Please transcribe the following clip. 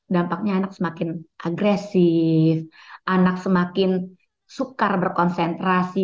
dampaknya anak semakin agresif anak semakin sukar berkonsentrasi